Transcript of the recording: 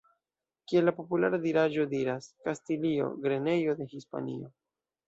Kiel la populara diraĵo diras: "Kastilio, grenejo de Hispanio".